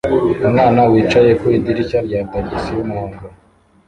Umwana wicaye mu idirishya rya tagisi y'umuhondo